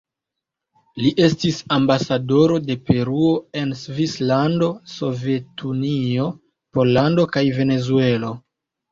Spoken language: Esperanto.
Li estis ambasadoro de Peruo en Svislando, Sovetunio, Pollando kaj Venezuelo.